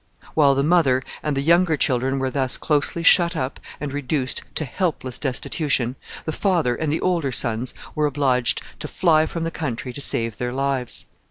While the mother and the younger children were thus closely shut up and reduced to helpless destitution, the father and the older sons were obliged to fly from the country to save their lives.